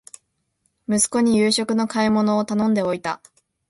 息子に夕食の買い物を頼んでおいた